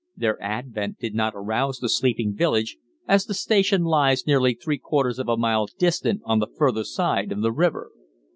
Their advent did not arouse the sleeping village, as the station lies nearly three quarters of a mile distant on the further side of the river.